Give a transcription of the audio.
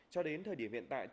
cho đến thời điểm hiện tại